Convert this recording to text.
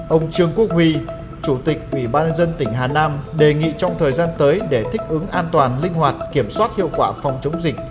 ông trương quốc huy chủ tịch ủy ban nhân dân tỉnh hà nam đề nghị trong thời gian tới để thích ứng an toàn linh hoạt kiểm soát hiệu quả phòng chống dịch